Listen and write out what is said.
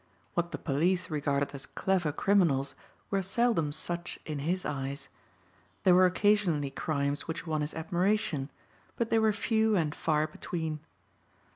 What the police regarded as clever criminals were seldom such in his eyes. There were occasionally crimes which won his admiration but they were few and far between.